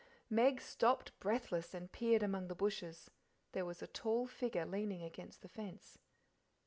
Meg stopped breathless, and peered among the bushes; there was a tall figure leaning against the fence.